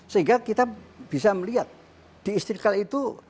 sehingga kita bisa melihat di istiqlal itu